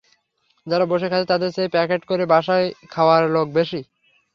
যারা বসে খাচ্ছে, তাদের চেয়ে প্যাকেট করে বাসায় খাবার নেওয়ার লোক বেশি।